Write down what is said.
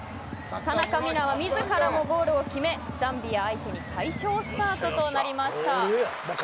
田中は自らもゴールを決めザンビア相手に快勝スタートとなりました。